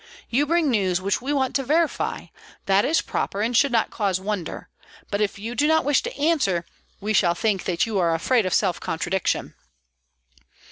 You bring news which we want to verify that is proper and should not cause wonder; but if you do not wish to answer, we shall think that you are afraid of self contradiction."